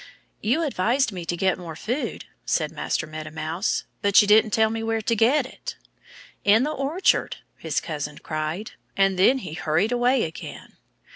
"You advised me to get more food," said Master Meadow Mouse. "But you didn't tell me where to get it." "In the orchard!" his cousin cried. And then he hurried away again.